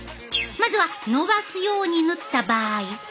まずはのばすように塗った場合。